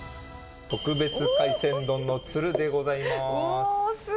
特別海鮮丼の鶴でございます。